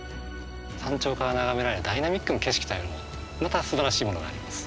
山頂から眺められるダイナミックな景色というのもまたすばらしいものがあります。